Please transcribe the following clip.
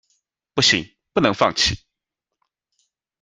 不行，不能放弃